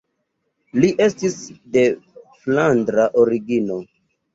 Li estis de flandra origino.